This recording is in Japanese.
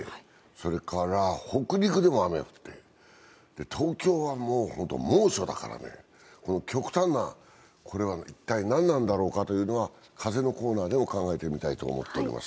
それから北陸でも雨が降って、東京は猛暑だからね、極端な、これは一体何なんだというのは風のコーナーでも考えてみたいと思っております。